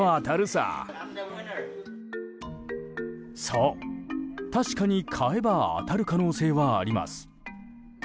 そう、確かに買えば当たる可能性はあります。